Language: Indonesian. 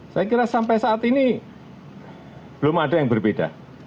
saya kira sampai saat ini belum ada yang berbeda